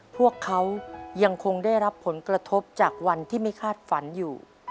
พวกเขายังคงได้รับผลกระทบจากวันที่ไม่คาดฝันอยู่